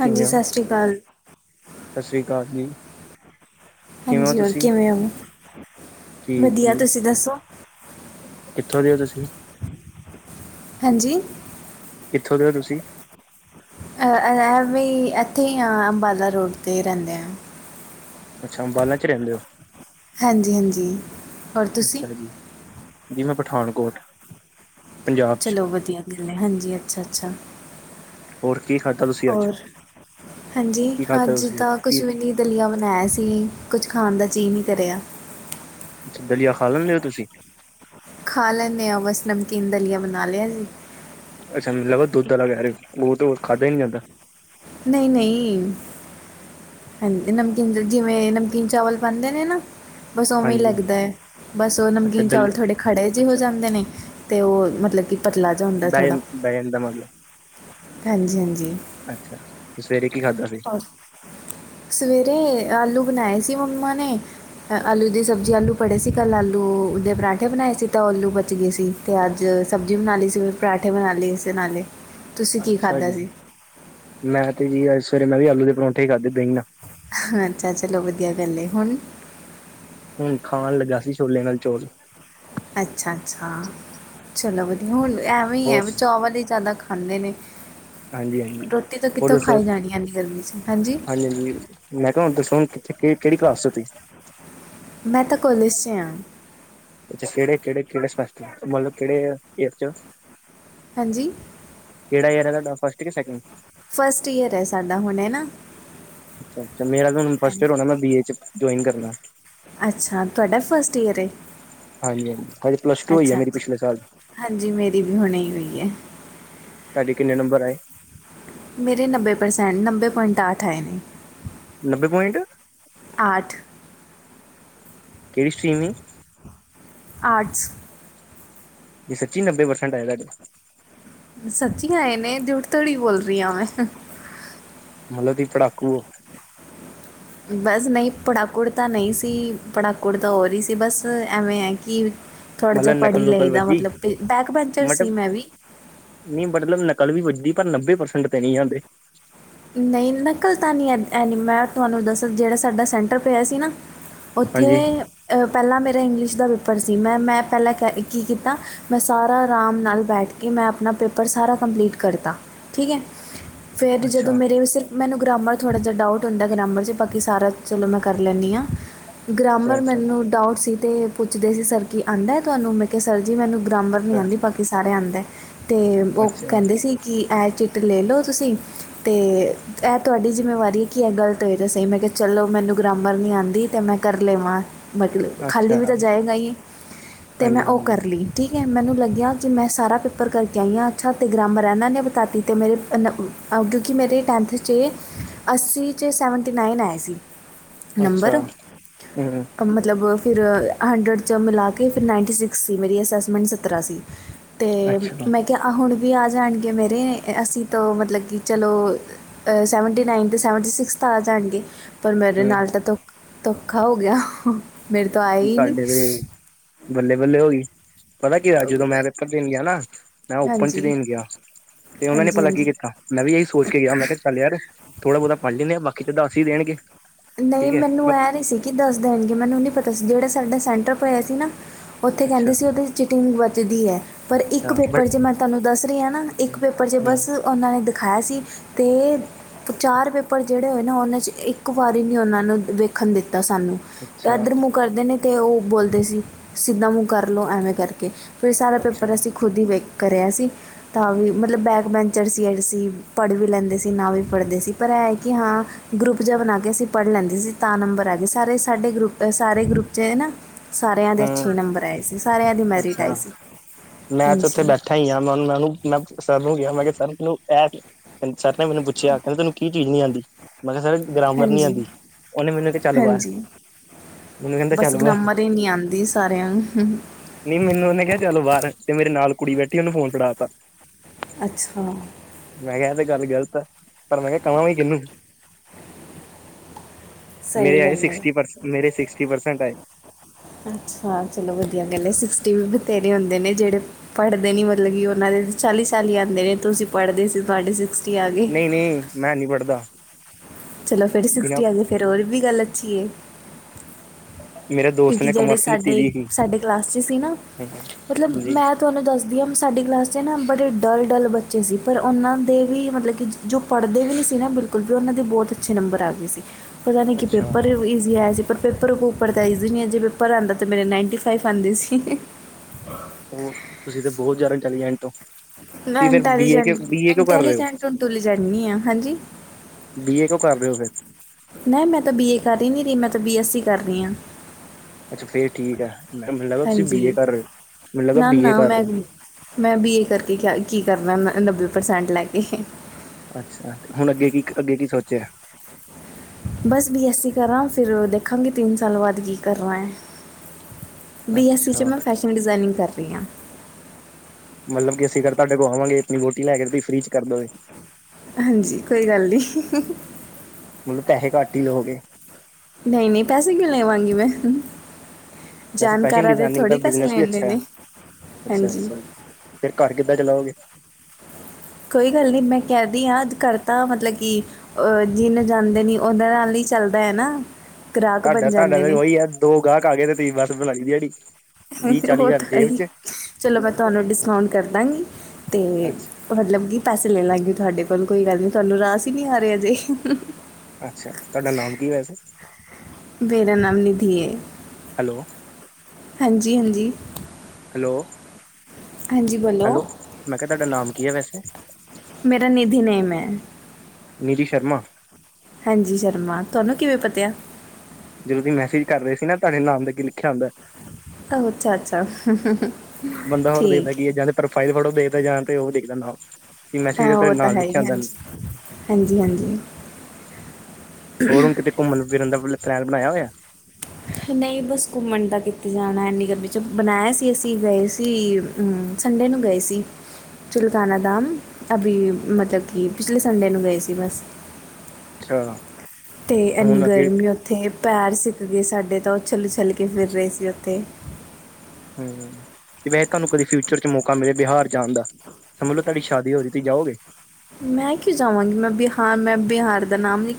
ਹਾਂਜੀ ਕਿਵੇਂ ਹੋ ਸਤਿ ਸ਼੍ਰੀ ਅਕਾਲ। ਸਤਿ ਸ਼੍ਰੀ ਅਕਾਲ ਜੀ। ਕਿਵੇਂ ਹੋ ਹਾਂਜੀ ਹੋਰ ਤੁਸੀਂ ਕਿਵੇਂ ਹੋ ਠੀਕ ਜੀ ਵਧੀਆ ਤੁਸੀਂ ਦੱਸੋ? ਕਿੱਥੋਂ ਦੇ ਓ ਤੁਸੀਂ? ਹਾਂਜੀ ਕਿੱਥੋਂ ਦੇ ਓ‌ ਤੁਸੀਂ? ਅਹ ਇਹ ਵੀ ਇੱਥੇ ਹੀ ਆ ਅੰਬਾਲਾ ਰੋਡ ਤੇ ਰਹਿੰਦੇ ਆ। ਅੱਛਾ ਅੰਬਾਲਾਂ ਚ ਰਹਿੰਦੇ ਹੋ। ਹਾਂਜੀ-ਹਾਂਜੀ। ਅੱਛਾ ਜੀ, ਜੀ ਮੈਂ ਪਠਾਨਕੋਟ। ਪੰਜਾਬ ਚ ਚਲੋ ਵਧੀਆ ਗੱਲ ਹੈ ਹਾਂਜੀ ਅੱਛਾ-ਅੱਛਾ। ਹੋਰ ਕੀ ਖਾਧਾ ਤੁਸੀਂ? ਅੱਜ ਹੋਰ ਹਾਂਜੀ ਕੀ ਖਾਧਾ ਹਾਂਜੀ ਤੁਸੀਂ ਅੱਜ ਤਾਂ ਕੁਛ ਕੀ ਵੀ ਨਹੀਂ ਦਲੀਆ ਬਣਾਇਆ ਸੀ ਕੁੱਛ ਖਾਣ ਦਾ ਜੀਅ ਨਹੀਂ ਕਰਿਆ। ਅੱਛਾ ਦਲੀਆ ਖਾ ਲੈਂਦੇ ਹੋ ਤੁਸੀਂ। ਖਾ ਲੈਂਦੇ ਹਾਂ ਬਸ ਨਮਕੀਨ ਦਲੀਆ ਬਣਾ ਲਿਆ ਜੀ। ਅੱਛਾ ਮਤਲਬ ਦੁੱਧ ਵਾਲਾ ਉਹ ਤੇ ਉਹ ਖਾਂਦਾ ਨੀ ਜਾਂਦਾ। ਨਹੀਂ ਨਹੀਂ ਹਾਂਜੀ ਨਮਕੀਨ ਜਿਵੇਂ ਨਮਕੀਨ ਚਾਵਲ ਬਣਦੇ ਨੇ ਨਾ ਬਸ ਉਵੇਂ ਹੀ ਹਾਂਜੀ ਲੱਗਦਾ ਹੈ ਬਸ ਉਹ ਅੱਛਾ ਨਮਕੀਨ ਚਾਵਲ ਦਲੀਆ ਥੋੜੇ ਖੜ੍ਹੇ ਜਿਹੇ ਹੋ ਅੱਛਾ ਜਾਂਦੇ ਨੇ ਤੇ ਉਹ ਮਤਲਬ ਕਿ ਪਤਲਾ ਜਾ ਹੁੰਦਾ ਥੋੜਾ। [unintelligible] ਹਾਂਜੀ ਹਾਂਜੀ। ਅੱਛਾ ਤੇ ਸਵੇਰੇ ਕੀ ਖਾਧਾ ਸੀ। ਔਰ ਸਵੇਰੇ ਆਲੂ ਬਣਾਏ ਸੀ ਮੰਮਾ ਨੇ। ਆਲੂ ਦੀ ਸਬਜ਼ੀ ਆਲੂ ਪੜ੍ਹੇ ਸੀ ਕੱਲ੍ਹ ਆਲੂ ਉਹਦੇ ਪਰਾਂਠੇ ਬਣਾਏ ਸੀ ਤਾਂ ਉਹ ਆਲੂ ਬਚ ਗਏ ਸੀ। ਤੇ ਅੱਜ ਸਬਜ਼ੀ ਬਣਾ ਲਈ ਸੀ ਫੇਰ ਪਰਾਂਠੇ ਬਣਾ ਲਏ ਸੀ ਨਾਲੇ। ਤੁਸੀਂ ਕੀ ਅੱਛਾ ਖਾਧਾ ਜੀ ਸੀ ਮੈਂ ਤੇ ਜੀ ਅੱਜ ਸਵੇਰੇ ਮੈਂ ਵੀ ਆਲੂ ਦੇ ਪਰੌਂਠੇ ਹੀ ਖਾਧੇ ਦਹੀ ਨਾ। ਅੱਛਾ ਚਲੋ ਵਧੀਆ ਗੱਲ ਹੁਣ ਹੂੰ ਖਾਣ ਲੱਗਾ ਸੀ ਛੋਲੇ ਨਾਲ ਚੋਲ। ਅੱਛਾ ਅੱਛਾ ਚਲੋ ਵਧੀਆ ਹੁਣ ਐਵੇਂ ਹੀ ਹੈ ਹੋਰ ਵੀ ਚਾਵਲ ਹੀ ਜ਼ਿਆਦਾ ਖਾਂਦੇ ਨੇ ਹਾਂਜੀ ਹਾਂਜੀ ਰੋਟੀ ਤੋਂ ਹੋਰ ਕਿੱਥੋਂ ਦੱਸੋ ਖਾਈ ਜਾਣੀ ਐਨੀ ਗਰਮੀ ਚ ਹਾਂਜੀ। [unintelligible] ਮੈਂ ਕਿਹਾ ਦਸੋ ਕਿਹੜੀ ਕਲਾਸ ਚ ਹੋ ਤੁਸੀਂ। ਮੈਂ ਤਾਂ ਕੋਲੇਜ ਚ ਆ। ਅੱਛਾ ਕਿਹੜੇ ਕਿਹੜੇ ਕਿਹੜੇ ਸਸ ਮਤਲਬ ਕਿਹੜੇ ਈਅਰ ਚ। ਹਾਂਜੀ। ਕਿਹੜਾ ਇਅਰ ਆ ਤੂਹਾਡਾ ਫਸਟ ਕੇ ਸੈਕਿੰਡ। ਫਸਟ ਈਅਰ ਹੈ ਸਾਡਾ ਹੁਣੇ ਨਾ। ਅੱਛਾ ਅੱਛਾ ਮੇਰਾ ਤਾਂ ਹੁਣ ਫਸਟ ਹਾਂਜੀ ਈਅਰ ਹੋਣਾ ਮੈਂ ਬੀ ਏ ਚ ਜੁਆਇਨ ਕਰਨਾ। ਅੱਛਾ ਤੁਹਾਡਾ ਫਸਟ ਈਅਰ ਹੈ ਹਾਂਜੀ ਹਾਂਜੀ ਹਲੇ ਪਲੱਸ ਟੂ ਹੋਈ ਹੈ ਅੱਛਾ ਮੇਰੀ ਅੱਛਾ ਪਿਛਲੇ ਸਾਲ। ਹਾਂਜੀ ਮੇਰੀ ਵੀ ਹੁਣੇ ਹੋਈ ਹੈ। ਤੁਹਾਡੇ ਕਿੰਨੇ ਨੰਬਰ ਆਏ। ਮੇਰੇ ਨੱਬੇ ਪ੍ਰਸੈਂਟ ਨੱਬੇ ਪੁਆਇੰਟ ਅੱਠ ਆਏ ਨੇ। ਨੱਬੇ ਪੁਆਇੰਟ। ਆਠ। ਕਿਹੜੀ ਸਟ੍ਰਮੀ। ਆਟਸ। ਜੀ ਸੱਚੀ ਨੱਬੇ ਪਰਸੈਂਟ ਆਏ ਤੁਹਾਡੇ। ਸੱਚੀ ਆਏ ਨੇ ਝੂਟ ਥੋੜੀ ਬੋਲ ਰਹੀ ਹਾਂ ਮੈਂ। ਮਤਲਬ ਤੂਹੀ ਪੜਾਕੂ ਹੋ। ਬਸ ਨਹੀਂ ਪੜਾਕੁੜ ਤਾਂ ਨਹੀਂ ਸੀ ਪੜਾਕੁੜ ਤਾਂ ਹੋਰ ਹੀ ਸੀ ਬਸ ਐਵੇਂ ਹੈ ਕਿ ਥੋੜ੍ਹਾ ਜਿਹਾ ਮਤਲਬ ਪੜ ਹੀ ਨਕਲ ਲਈ ਨੁਕਲ ਦਾ ਵੱਜੀ ਮਤਲਬ ਬੈਕ ਬੈੰਚਰ ਸੀ ਮਤਲਬ ਮੈਂ ਵੀ ਨਹੀਂ ਮਤਲਬ ਨਕਲ ਵੀ ਵੱਜਦੀ ਪਰ ਨੱਬੇ ਪ੍ਰਸੈਂਟ ਤੇ ਨਹੀਂ ਜਾਂਦੇ। ਨਹੀਂ ਨਕਲ ਤਾਂ ਨਹੀਂ ਐ ਐਨੀ ਮੈਂ ਤੁਹਾਨੂੰ ਦੱਸਾਂ ਜਿਹੜਾ ਸਾਡਾ ਸੈਂਟਰ ਪਿਆ ਸੀ ਨਾ ਉੱਥੇ ਹਾਂਜੀ ਪਹਿਲਾਂ ਮੇਰਾ ਇੰਗਲਿਸ਼ ਦਾ ਪੇਪਰ ਸੀ ਮੈਂ ਮੈਂ ਪਹਿਲਾਂ ਕ ਕੀ ਕੀਤਾ ਮੈਂ ਸਾਰਾ ਆਰਾਮ ਨਾਲ ਬੈਠ ਕੇ ਮੈਂ ਆਪਣਾ ਪੇਪਰ ਸਾਰਾ ਕੰਪਲੀਟ ਕਰਤਾ ਠੀਕ ਹੈ। ਫਿਰ ਜਦੋਂ ਅੱਛਾ ਮੇਰੇ ਸਿਰਫ ਮੈਨੂੰ ਗ੍ਰਾਮਰ ਥੋੜ੍ਹਾ ਜਿਹਾ ਡਾਊਟ ਹੁੰਦਾ ਗ੍ਰਾਮਰ ਚ ਬਾਕੀ ਸਾਰਾ ਚਲੋ ਮੈਂ ਕਰ ਲੈਂਣੀ ਹਾਂ। ਅੱਛਾ ਗ੍ਰਾਮਰ ਅੱਛਾ ਮੈਨੂੰ ਡਾਊਟ ਸੀ ਤੇ ਪੁੱਛਦੇ ਸੀ ਸਰ ਕੀ ਆਦਾ ਹੈ ਤੁਹਾਨੂੰ ਮੈਂ ਕਿਹਾ ਸਰ ਜੀ ਮੈਨੂੰ ਗਰਾਮਰ ਨਹੀਂ ਆਉਂਦੀ ਬਾਕੀ ਸਾਰੇ ਆਉਂਦੇ ਅਤੇ ਉਹ ਅੱਛਾ ਕਹਿੰਦੇ ਸੀ ਕਿ ਇਹ ਚਿੱਟ ਲੈ ਲਓ ਤੁਸੀਂ ਤੇ ਇਹ ਤੁਹਾਡੀ ਜ਼ਿੰਮੇਵਾਰੀ ਹੈ ਕੀ ਇਹ ਗਲਤ ਹੋਏ ਤਾਂ ਸਹੀ ਮੈਂ ਕਿਹਾ ਚਲੋ ਮੈਨੂੰ ਗਰਾਮਰ ਨਹੀਂ ਆਉਂਦੀ ਤੇ ਮੈਂ ਕਰ ਲੈਵਾਂ ਮਤਲਬ ਅੱਛਾ ਖਾਲੀ ਵੀ ਅੱਛਾ ਤਾਂ ਜਾਏਗਾ ਹੀ ਤੇ ਹਾਂਜੀ ਮੈਂ ਉਹ ਹਾਂਜੀ ਕਰ ਲਈ। ਠੀਕ ਹੈ ਮੈਨੂੰ ਲੱਗਿਆ ਕਿ ਮੈਂ ਸਾਰਾ ਪੇਪਰ ਕਰਕੇ ਆਈ ਹਾਂ ਅੱਛਾ ਤੇ ਗ੍ਰਾਮਰ ਹੈ ਇਹਨਾਂ ਨੇ ਬਤਾਤੀ ਤੇ ਮੇਰੇ ਕਿਉਂਕਿ ਮੇਰੇ ਟੈਂਨਥ ਚ ਅੱਸੀ ਚ ਸੈਵਨਟੀ ਨਾਈਨ ਆਏ ਸੀ। ਅੱਛਾ ਨੰਬਰ ਹੂੰ ਮਤਲਬ ਫੇਰ ਹੰਡਰਡ ਚ ਮਿਲਾ ਕੇ ਫੇਰ ਨਾਈਨਟੀ ਸਿਕਸ ਸੀ ਮੇਰੀ ਅਸੈਸਮੈਂਟ ਸੱਤਰਾ ਸੀ ਤੇ ਮੈਂ ਕਿ ਹੁਣ ਵੀ ਆ ਜਾਣਗੇ ਮੇਰੇ ਅਸੀ ਤੋਂ ਮਤਲਬ ਕਿ। ਚਲੋ ਸੈਵਨਟੀ ਨਾਈਨ ਅਤੇ ਸੈਵਨਟੀ ਸਿਕਸ ਤਾਂ ਆ ਜਾਣਗੇ ਪਰ ਮੇਰੇ ਹੂੰ ਨਾਲ ਤਾਂ ਧ। ਧੋਖਾ ਹੋ ਗਿਆ। ਤੋਂ ਆਏ ਹੀ ਨਹੀਂ ਤੁਹਾਡੇ ਤੇ ਬੱਲੇ ਬੱਲੇ ਹੋਈ ਪਤਾ ਕੀ ਜਦੋਂ ਮੈਂ ਪੇਪਰ ਦੇਣ ਗਿਆ ਨਾ। ਮੈਂ ਓਪਨ ਚ ਹਾਂਜੀ ਦੇਣ ਗਿਆ ਤੇ ਉਹਨਾਂ ਨੇ ਹਾਂਜੀ ਭਲਾ ਕੀ ਹਾਂਜੀ ਕੀਤਾ। ਮੈਂ ਵੀ ਇਹੀ ਸੋਚ ਕੇ ਗਿਆ ਮੈਂ ਕਿਹਾ ਚੱਲ ਯਾਰ ਥੋੜ੍ਹਾ ਬਹੁਤਾ ਪੜ੍ਹ ਲੈਂਦੇ ਹਾਂ ਬਾਕੀ ਤਾਂ ਦੱਸ ਹੀ ਦੇਣਗੇ। ਨਹੀਂ ਠੀਕ ਹੈ ਮੈਨੂੰ ਇਹ ਨਹੀਂ ਸੀ ਕਿ ਦੱਸ ਦੇਣਗੇ ਮੈਨੂੰ ਨਹੀਂ ਪਤਾ ਸੀ ਜਿਹੜਾ ਸਾਡਾ ਸੈਂਟਰ ਪਆ ਸੀ ਨਾ। ਉੱਥੇ ਅੱਛਾ ਕਹਿੰਦੇ ਸੀ ਉਹਦੇ ਚਿਟਿੰਗ ਵਚਦੀ ਹੈ। ਪਰ ਇੱਕ ਅੱਛਾ ਪੇਪਰ ਬਟ ਚੇ ਮੈਂ ਤੁਹਾਨੂੰ ਦੱਸ ਰਹੀ ਹਾਂ ਨਾ ਇੱਕ ਪੇਪਰ ਚੇ ਹੂੰ ਬਸ ਉਹਨਾਂ ਨੇ। ਖਾਇਆ ਸੀ ਤੇ ਚਾਰ ਪੇਪਰ ਜਿਹੜੇ ਹੋਏ ਨੇ ਉਹਨਾਂ 'ਚ ਇੱਕ। ਇੱਕ ਵਾਰੀ ਨੀ ਉਹਨਾਂ ਨੂੰ ਵੇਖਣ ਦਿੱਤਾ ਸਾਨੂੰ ਅੱਛਾ ਇਦਰ ਮੂੰਹ ਕਰਦੇ ਨੇ। ਤੇ ਉਹ ਬੋਲਦੇ ਸੀ ਸਿੱਧਾਂ ਮੂੰਹ ਕਰ ਲ ਐਵੇ ਏ ਕਰਕੇ ਫਿਰ ਸਾਰਾ ਅੱਛਾ ਪੇਪਰ ਅਸੀਂ। ਖੁਦ ਹੀ ਵੇਖ ਕਰਿਆ ਸੀ। ਤਾਂ ਵੀ ਮਤਲਬ ਬੈਕ ਬੈਂਚਰ ਸੀ ਐਡ ਸੀ ਪੜ੍ਹ ਵੀ ਲੈਂਦੇ ਸੀ ਨਾ ਵੀ ਪੜ੍ਹਦੇ ਸੀ ਪਰ ਹੈ ਕਿ ਹਾਂ। ਗਰੁੱਪ ਜਹਾ ਬਣਾ ਕੇ ਅਸੀਂ ਪੜ੍ਹ ਲੈਂਦੇ ਸੀ ਤਾਂ ਨੰਬਰ ਆ ਗਏ ਸਾਰੇ ਸਾਡੇ ਗਰੁੱਪ ਸਾਰੇ ਗਰੁੱਪ 'ਚ ਹੈ ਨਾ। ਸਾਰਿਆਂ ਦੇ ਹੂੰ ਅੱਛੇ ਨੰਬਰ ਆਏ ਸੀ ਸਾਰਿਆਂ ਦੀ ਮੈਰਿਟ ਆਈ ਸੀ ਹਾਂਜੀ। ਥਾਹੀਆ ਮੈਂ ਮਨੂੰ ਮੈਂ ਸਰ ਨੂੰ ਕਿਹਾ ਮੈਂ ਕਿਹਾ ਤੈਨੂੰ ਇਹ ਕ ਸਰ ਨੇ ਮੈਨੂੰ ਪੁੱਛਿਆ ਕਹਿੰਦੇ ਤੈਨੂੰ। ਕੀ ਚੀਜ਼ ਨੀ ਆਉਂਦੀ ਮੈਂ ਕਿਹਾ ਸਰ ਗਰਾਮਰ ਨੀ ਹਾਂਜੀ ਆਉਂਦੀ ਉਹਨੇ ਮੈਨੂੰ ਕਿਹਾ ਚੱਲ ਬਾਹਰ। ਹਾਂਜੀ ਮੈਨੂੰ ਕਹਿੰਦਾ ਬਸ ਚੱਲ ਬਾਹਰ ਗਾਰਮਰ ਨੀ ਆਉਂਦੀ ਸਾਰਿਆਂ ਨੂੰ ਹ। ਨਹੀਂ ਮੈਨੂੰ ਉਹਨੇ ਕਿਹਾ ਚਲ ਬਾਹਰ ਤੇ ਮੇਰੇ ਨਾਲ ਕੁੜੀ ਬੈਠੀ ਉਹਨੂੰ ਫੋਨ ਫੜਾਤਾ। ਅੱਛਾ। ਮੈਂ ਕਿਹਾ ਤੇ ਗੱਲ ਗ਼ਲਤ ਆ ਪਰ ਮੈਂ ਕਿਹਾ ਕਵਾਂ ਵੀ ਕਿਹਨੂੰ। ਸਹੀ ਮੇਰੇ ਆਏ ਗੱਲ ਹੈ ਸਿਕਸਟੀ ਪਰਸ ਮੇਰੇ ਸਿਕਸਟੀ ਪਰਸੈਂਟ ਆਏ। ਅੱਛਾ ਚਲੋ ਵਧੀਆ ਗਲ ਹੈ ਸਿਕਸਟੀ ਵੀ ਬਥੇਰੇ ਹੁੰਦੇ ਨੇ ਜਿਹੜੇ। ਪੜ੍ਹਦੇ ਨੀ ਮਤਲਬ ਕਿ ਉਹਨਾਂ ਦੇ ਚਾਲੀ ਚਾਲੀ ਆਉਂਦੇ ਨੇ ਤੁਸੀਂ ਪੜ੍ਹਦੇ ਸੀ। ਆ ਗਏ ਨਹੀਂ ਨਹੀਂ ਮੈਂ ਨਹੀਂ ਪੜ੍ਹਦਾ। ਚਲੋ ਫਿਰ ਬਿਨਾਂ ਸਿਕਸਟੀ ਆ ਗ ਫਿਰ ਹੋਰ ਵੀ ਗੱਲ ਅੱਛੀ ਹੈ। ਮੇਰੇ ਦੋਸਤ ਕਿਉਂਕਿ ਨੇ ਜਿਹੜੇ ਕਮਰਸ ਲਿੱਤੀ ਸਾਡੇ ਦੀ ਸੀ ਸਾਡੇ ਕਲਾਸ 'ਚ ਸੀ ਨਾ ਮਤਲਬ ਜੀ ਮੈਥ ਤੁਹਾਨੂੰ ਦੱਸਦੀ ਹਾਂ ਮੈਂ ਸਾਡੀ ਕਲਾਸ 'ਚ ਨਾ ਬੜੇ ਡਲ, ਡਲ ਬੱਚੇ ਸੀ। ਪਰ ਉਹਨਾਂ ਦੇ ਵੀ ਮਤਲਬ ਕਿ ਜੋ ਪੜ੍ਹਦੇ ਵੀ ਨਹੀਂ ਸੀ ਨਾ ਬਿਲਕੁਲ ਵੀ ਉਹਨਾਂ ਦੇ ਬਹੁਤ ਅੱਛੇ ਨੰਬਰ ਆ ਗਏ ਸੀ। ਪਤਾ ਨਹੀਂ ਕਿ ਅੱਛਾ ਪੇਪਰ ਇਜ਼ੀ ਹੈ। ਐਸੀੇ ਪਰ ਪੇਪਰ ਉੱਪਰ ਦਾ ਜ ਨਹੀਂ ਜੇ ਪੇਪਰ ਆਉਂਦਾ ਤਾਂ ਮੇਰੇ ਨਾਈਨਟੀ ਫਾਈਵ ਆਉਂਦੇ ਸੀ। ਉਹ ਤੁਸੀਂ ਤਾਂ ਬਹੁਤ ਜ਼ਿਆਦਾ ਇੰਟੈਲੀਜੈਂਟ ਹੋ। ਤੁਸੀਂ ਫਿਰ B A intelligent B A ਕਿਉਂ ਕਰ ਰਹੇ ਹੋ ਇੰਟੈਲੀਜੈਂਟ ਹੁਲੀ ਜਾਂਦੀ ਆ ਹਾਂਜੀ ਬੀ ਏ ਕਿਉਂ ਕਰ ਰਹੇ ਹੋ ਫਿਰ। ਨ ਮੈਂ ਤਾਂ ਬੀ ਏ ਕਰ ਰਹੀ ਨੀ ਰਹੀ ਮੈਂ ਤਾਂ ਬੀ ਐੱਸ ਕਰ ਰਹੀ ਹਾਂ। ਅੱਛਾ ਫੇਰ ਠੀਕ ਹੈ ਮ ਮੈਨੂੰ ਲੱਗਾ ਤੁਸੀਂ ਬੀ ਹਾਂਜੀ ਏ ਕਰ ਰਹੇ ਹੋ ਮੈਨੂੰ ਲੱਗਾ ਨਾ ਬੀ ਏ ਨਾ ਕਰ ਮੈਂ ਰਹੇ ਹੋ। ਮੈਂ ਬੀ ਏ ਕਰਕੇ ਕਿਆ ਕੀ ਕਰਨਾ ਨੱਬੇ ਪ੍ਰਸੈਂਟ ਲੈ ਕੇ। ਅੱਛਾ ਤੇ ਹੁਣ ਅੱਗੇ ਕੀ ਅੱਗੇ ਕੀ ਸੋਚਿਆ। ਬਸ ਬੀ ਐੱਸ ਈ ਕਰਾਂ ਫਿਰ ਦੇਖਾਂਗੇ ਤਿੰਨ ਸਾਲ ਬਾਅਦ ਕੀ ਕਰਨਾ ਹੈ। ਬੀ ਐੱਸ ਸੀ 'ਚ ਅੱਛਾ ਮੈਂ ਫੈਸ਼ਨ ਡਿਜ਼ਾਇਨਿੰਗ ਕਰ ਰਹੀ ਹਾਂ। ਮਤਲਬ ਕਿ ਅਸੀਂ ਕਰ ਤੁਹਾਡੇ ਕੋਲ ਆਵਾਂਗੇ ਆਪਣੀ ਵੋਟੀ ਲੈ ਕੇ ਤੁਸੀ ਫਰੀ ਚ ਕਰ ਦੋਗੇ। ਹਾਂਜੀ ਕੋਈ ਗੱਲ ਨੀ। ਮਤਲਬ ਪੈਸੇ ਘੱਟ ਹੀ ਲਹੋਗੇ। ਨਹੀਂ ਨਹੀਂ ਪੈਸੇ ਕਿਉੰ ਲੈਵਾਂਗੀ ਮੈਂ। ਵੈਸੇ ਫੈਸ਼ਨ ਜਾਣਕਾਰਾ ਦੇ ਡਿਜ਼ਾਇਨਿੰਗ ਦਾ ਥੋੜ੍ਹੀ ਪੈਸੇ ਬਿਜ਼ਨਸ ਵੀ ਲੈਣ ਦੇ ਅੱਛਾ ਹੈ ਨੇ, ਅੱਛਾ ਹਾਂਜੀ। ਅੱਛਾ ਫਿਰ ਘਰ ਕਿੱਦਾਂ ਚਲਾਓਗੇ। ਕੋਈ ਗੱਲ ਨੀ, ਮੈਂ ਕਹਿਦੀ ਹਾਂ ਅੱਜ ਕਰਤਾ ਮਤਲਬ ਕਿ। ਅਹ ਜਿਹਨੂੰ ਜਾਂਦੇ ਨੀ ਉਹਦ ਨਾਲ ਹੀ ਚੱਲਦਾ ਐ ਨਾ। ਗ੍ਰਾਹਕ ਬਣ ਤੁਹਾਡਾ-ਤੁਹਾਡਾ ਜਾਂਦੇ ਤੇ ਨੇ ਉਹੀ ਏ। ਦੋ ਗਾਹਕ ਆ ਗੇ ਤੇ ਤੁਸੀ ਬਸ ਲਗ ਗਈ ਦਿਹਾੜੀ। ਵੀਹ ਚਾਲੀ ਉਹ ਹਜ਼ਾਰ ਤਾਂ ਹੈ ਜੇਬ ਈ, ਚ ਚਲੋ ਮੈਂ ਤੁਹਾਨੂੰ ਡਿਸਕਾਊਂਟ ਕਰ ਦਾਂਗੀ ਅਤੇ ਅੱਛਾ ਮਤਲਬ ਕਿ ਪੈਸੇ ਲੈ ਲਾਂਗੇ। ਤੁਹਾਡੇ ਕੋਲ ਕੋਈ ਗੱਲ ਨੀ ਤੁਹਾਨੂੰ ਰਾਸ ਹੀ ਨੀ ਆ ਰਹਾ ਅਜੇ। ਅੱਛਾ, ਤੁਹਾਡਾ ਨਾਮ ਕੀ ਏ ਵੇਸੇ ਮੇਰਾ ਨਾਮ ਨਿਧੀ ਐ, ਹੈਲੋ ਹਾਂਜੀ-ਹਾਂਜੀ। ਹੈਲੋ। ਹਾਂਜੀ, ਬੋਲੋ। ਹੈਲੋ ਮੈਂ ਕਿਹਾ ਤੁਹਾਡਾ ਨਾਮ ਕੀ ਹੈ ਵੈਸੇ ਮੇਰਾ ਨਿਧੀ ਨੇਮ ਐ। ਨਿਧੀ ਸ਼ਰਮਾ। ਹਾਂਜੀ, ਸ਼ਰਮਾ ਤੁਹਾਨੂੰ ਕਿਵੇਂ ਪਤਿਆ? ਜਦੋਂ ਤੁਸੀ ਮੈਸੇਜ ਕਰ ਰਹੇ ਸੀ ਨਾ ਤੁਹਾਡੇ ਨਾਮ ਅੱਗੇ ਲਿਖਿਆ ਆਦਾ। ਉਹ ਅੱਛਾ-ਅੱਛਾ, ਠੀਕ। ਹੈ ਫਾਈਲ ਫੋਟੋ ਦੇਖਦਾ ਜਾਂ ਤੇ ਉਹ ਵੀ ਦੇਖ ਦੇਖਦਾ ਮੈਸੇਜ ਹਾਂ ਉਹ ਤੁਹਾਡੇ ਤਾਂ ਨਾਮ ਹੈ ਲਿਖਿਆ ਹੀ ਏ, ਹੁੰਦਾ ਹਾਂਜੀ-ਹਾਂਜੀ। ਹੋਰ ਕਿਤੇ ਘੁੰਮਣ ਫਿਰਨ ਦਾ ਪਲੈਨ ਬਣਾਇਆ ਹੋਇਆ। ਨਈ ਬਸ ਘੁੰਮਣ ਤਾਂ ਕਿਤੇ ਜਾਣਾ ਇੰਨੀ ਗਰਮੀ ਚ, ਬਣਾਇਆ ਸੀ ਅਸੀਂ ਗਏ ਸੀ ਹੂੰ, ਸੰਡੇ ਨੂੰ ਗਏ ਸੀ। ਚੁਿਲਕਾਨਾ ਦਾਮ, ਅਭੀ ਮਤਲਬ ਕਿ ਪਿਛਲੇ ਸੰਡੇ ਨੂੰ ਗਏ ਸੀ ਬਸ ਅੱਛਾ। ਤੇ ਇੰਨੀ ਹੁਣ ਅੱਗੇ ਗਰਮੀ ਉ ਉੱਥੇ ਪੈਰ ਸਿੱਕ ਗਏ ਸਾਡੇ ਤਾਂ ਉਹ ਓਛੱਲ-ਓਛੱਲ ਕੇ ਫਿਰ ਰਹੇ ਸੀ ਉੱਥੇ ਜਿਵੇ ਤੁਹਾਨੂੰ ਕਦੇ ਫਿਊਚਰ ਚ ਮੌਕਾ ਮਿਲੇ ਬਿਹਾਰ ਜਾਣ ਦਾ ਸਮਝ ਲੋ ਤੁਹਾਡੀ ਸ਼ਾਦੀ ਹੋ ਰਹੀ ਥੀ ਜਾਓਗੇ ਮੈਂ ਕਿਉਂ ਜਾਵਾਂਗੀ? ਮੈਂ ਬਿਹਾਰ, ਮੈਂ ਬਿਹਾਰ ਦਾ ਨਾਮ ਨ,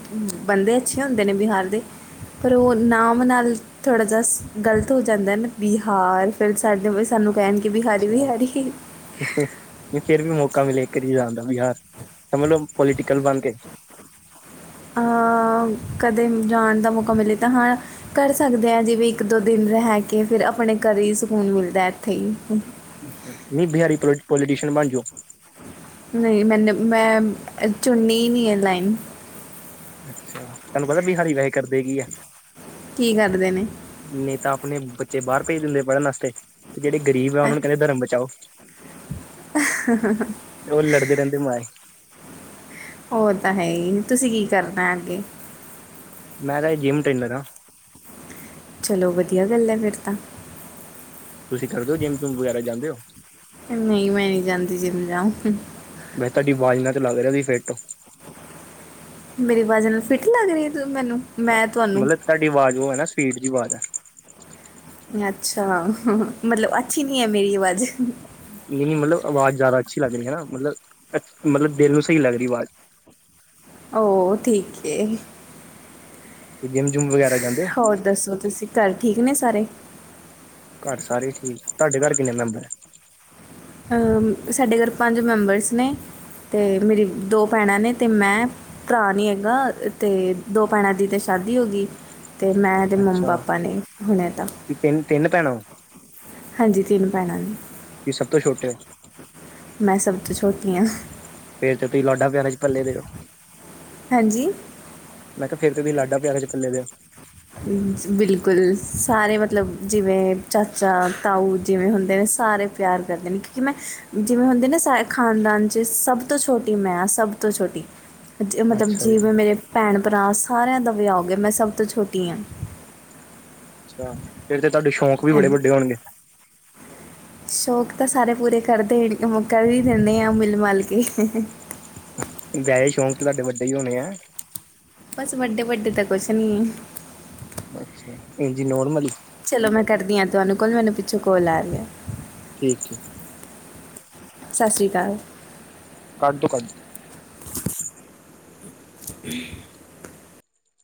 ਬੰਦੇ ਅੱਛੇ ਹੁੰਦੇ ਨੇ ਬਿਹਾਰ ਦੇ ਪਰ ਉਹ ਨਾਮ ਨਾਲ ਥੋੜ੍ਹਾ ਜਿਹਾ ਗ਼ਲਤ ਹੋ ਜਾਂਦਾ ਨਾ ਬਿਹਾਰ ਫਿਰ ਸਾਡੇ ਸਾਨੂੰ ਕਹਿਣ ਕੇ ਬਹਾਰੀ ਵੀ ਬਹਾਰੀ ਫਿਰ ਵੀ ਮੌਕਾ ਮਲੇ ਇੱਕ ਆਰੀ ਜਾਣ ਦਾ ਬਿਹਾਰ, ਸਮਝ ਲੋ ਪੋਲੀਟੀਕਲ ਬਣ ਕੇ ਹਾਂ ਕਦੇ ਜਾਣ ਦਾ ਮੌਕਾ ਮਿਲੇ ਤਾਂ ਹਾਂ ਕਰ ਸਕਦੇ ਹਾਂ, ਜਿਵੇਂ ਇੱਕ-ਦੋ ਦਿਨ ਰਹਿ ਕੇ ਫਿਰ ਆਪਣੇ ਘਰ ਹੀ ਸਕੂਨ ਮਿਲਦਾ ਇੱਥੇ ਹੀ। ਨੀ ਬਿਹਾਰੀ ਥੋਡੀ ਪੋਲੀਟੀਸ਼ਨਨ ਬਣ ਜਾਓ। ਨਈ, ਮੈਨੂੰ ਮੈਂ ਚੁੰਨੀ ਨੀ ਇਹ ਲਾਈਨ। ਅੱਛਾ, ਤੁਹਾਨੂੰ ਪਤਾ ਬਿਹਾਰੀ ਵੈਸੇ ਕਰਦੇ ਕੀ ਆ? ਕੀ ਕਰਦੇ ਨੇ? ਨੀ ਤਾਂ ਆਪਣੇ ਬੱਚੇ ਬਾਹਰ ਭੇਜ ਦਿੰਦੇ ਪੜ੍ਹਨ ਵਾਸਤੇ। ਤੇ ਜਿਹੜੇ ਗਰੀਬ ਆ ਉਹਨਾਂ ਹੈਂ, ਨੂੰ ਕਹਿੰਦੇ ਧਰਮ ਬਚਾਓ। [inaudible] ਉਹ ਲੜਦੇ ਰਹਿੰਦੇ ਮਾਏ। ਉਹ ਤਾਂ ਹੈ ਇ। ਨੀ ਤੁਸੀਂ ਕੀ ਕਰਨਾ ਅੱਗੇ? ਮੈਂ ਤਾਂ ਜਿੰਮ ਟ੍ਰੇਨਰ ਹਾਂ। ਚਲੋ ਵਧੀਆ ਗੱਲ ਏ ਫਿਰ ਤਾਂ ਤੁਸੀਂ ਕਰ ਦੇਓ ਜਿੰਮ ਜੂਮ ਵਗੈਰਾ ਜਾਂਦੇ ਹੋ ਨਹ ਮੈਂ ਨੀ ਜਾਂਦੀ ਜਿਮ ਜਾਓ ਮੈਂ ਕਿਹਾ ਤੁਹਾਡੀ ਆਵਾਜ਼ ਨਾਲ‌ ਤਾਂ ਲੱਗ ਰਿਹਾ ਕਿ ਫਿਰਟ ਓ ਮੇਰੀ ਆਵਾਜਨਾਲ ਫਿੱਟ ਲੱਗ ਰਹੀ ਤੂੰ ਮੈਨੂੰ। ਹਾਂ ਮੈਂ ਤੁਹਾਨੂੰ ਮਤਲਬ ਤੁਹਾਡੀ ਆਵਾਜ਼ ਉਹ ਏ ਨਾ ਸਵੀਟ ਜਹੀ ਆਵਾਜ਼ ਏ ਅੱਛਾ, ਮਤਲਬ ਅੱਛੀ ਨੀ ਐ ਮੇਰੀ ਆਵਾਜ਼। ਨਹੀਂ-ਨਹੀਂ ਮਤਲਬ ਅਵਾਜ਼ ਜ਼ਿਆਦਾ ਅੱਛੀ ਲੱਗ ਰਹੀ ਐ ਨਾ, ਮਤਲਬ-ਮਤਲਬ ਦਿਲ ਨੂੰ ਸਹੀ ਲੱਗ ਰਹੀ ਐ ਅਵਾਜ਼। ਓਹ ਠੀਕ ਏ। ਜਿੰਮ ਜੁੰਮ ਵਗੈਰਾ ਜਾਂਦੇ ਓ। ਹੋਰ ਦੱਸੋ ਤੁਸੀਂ, ਘਰ ਠੀਕ ਨੇ ਸਾਰੇ। ਘਰ ਸਾਰੇ ਠੀਕ, ਤੁਹਾਡੇ ਘਰ ਕਿੰਨੇ ਮੈਂਬਰ। ਅ ਸਾਡੇ ਘਰ ਪੰਜ ਮੈਂਬਰਸ ਨੇ, ਤੇ ਮੇਰੀ ਦੋ ਭੈਣਾਂ ਨੇ, ਅ ਤੇ ਮੈਂ। ਭਰਾ ਨੀ ਹੈਗਾ, ਤੇ ਦੋ ਭੈਣਾਂ ਦੀ ਤੇ ਸ਼ਾਦੀ ਹੋਗੀ। ਤੇ ਮੈਂ ਤੇ ਮੰਮ ਪਾਪਾ ਨੇ ਹੁਣੇ ਤਾਂ। ਤਿੰਨ-ਤਿੰਨ ਭੈਣਾਂ ਓ। ਹਾਂਜੀ, ਤਿੰਨ ਭੈਣਾਂ ਨੇ, ਤੁਸੀਂ ਸਭ ਤੋਂ ਛੋਟੇ ਹੋ ਮੈਂ ਸਭ ਤੋਂ ਛੋਟੀ ਹਾਂ। ਫੇਰ ਤੇ ਤੁਸੀਂ ਲਾਡਾ ਪਿਆਰਾਂ ਚ ਪਲੇ ਦੇ ਓ। ਹੈਂ ਜੀ। ਮੈਂ ਕਿਹਾ ਫੇਰ ਤੇ ਤੁਸੀਂ ਲਾਡਾ ਪਿਆਰਾਂ ਚ ਪਲੇ ਦੇ ਓ। ਬਿਲਕੁਲ ਸਾਰੇ ਮਤਲਬ ਜਿਵੇਂ ਚਾਚਾ, ਤਾਊ ਜਿਵੇਂ ਹੁੰਦੇ ਨੇ ਸਾਰੇ ਪਿਆਰ ਕਰਦੇ ਨੇ, ਕਿਉਂਕਿ ਮੈਂ ਜਿਵੇਂ ਹੁੰਦੀ ਨਾ ਸਾ ਖਾਨਦਾਨ ਚ ਸਭ ਤੋਂ ਛੋਟੀ ਮੈਂ ਹਾਂ, ਸਭ ਤੋਂ ਛੋਟੀ। [unintelligible] ਜੇ ਮਤਲਬ ਅੱਛਾ ਜੀ ਜਿਵੇਂ ਮੇਰੇ ਭੈਣ-ਭਰਾ ਸਾਰਿਆਂ ਦਾ ਵਿਆਹ ਹੋ ਗਿਆ, ਮੈਂ ਸਭ ਤੋਂ ਛੋਟੀ ਆਂ। ਅੱਛਾ, ਫੇਰ ਤੇ ਤੁਹਾਡੇ ਸ਼ੌਂਕ ਵੀ ਬੜੇ ਹਾਂਜੀ ਵੱਡੇ ਹੋਣਗੇ। ਸ਼ੌਕ ਤਾਂ ਸਾਰੇ ਪੂਰੇ ਕਰਦੇ ਕਰ ਵੀ ਦਿੰਦੇ ਆ, ਮਿਲ ਮਲ ਕੇ ਵੈਸੇ ਸ਼ੌਂਕ ਤਾਂ ਤੁਹਾਡੇ ਵੱਡੇ ਹੀ ਹੋਣੇ ਐ। ਬਸ ਵੱਡੇ-ਵੱਡੇ ਤਾਂ ਕੁਛ ਨੀ ਐ। ਅੱਛਾ ਇੰਜੀ ਨੋਰਮਲੀ। ਚਲੋ ਮੈਂ ਕਰਦੀ ਹਾਂ ਤੁਹਾਨੂੰ ਕੋਲ, ਮੈਨੂੰ ਪਿੱਛੋਂ ਕੋਲ ਆ ਰਈ ਐ। ਠੀਕ ਏ। ਸਸ ਰੀ ਕਾਲ। ਕੱਢ ਦੋ ਕੱਢ